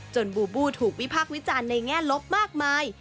บูบูถูกวิพากษ์วิจารณ์ในแง่ลบมากมาย